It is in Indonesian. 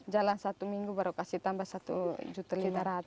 jalan satu minggu baru kasih tambah satu lima ratus